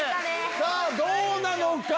さぁどうなのか？